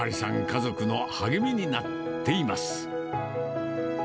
家族の励みになっています。